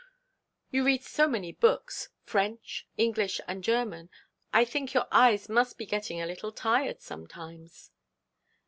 'You read so many books, French, English, and German, and I think your eyes must get a little tired sometimes.'